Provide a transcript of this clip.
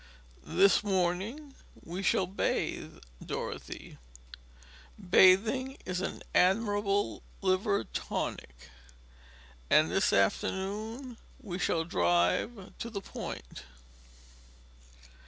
This morning we shall bathe, Dorothy bathing is an admirable liver tonic and this afternoon we shall drive to the Point."